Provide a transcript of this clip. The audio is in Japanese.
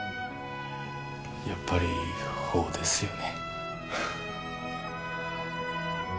やっぱりほうですよね